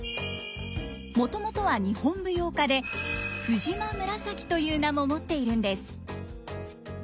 もともとは日本舞踊家で藤間紫という名も持っているんです。